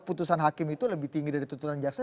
putusan hakim itu lebih tinggi dari tuntutan jaksa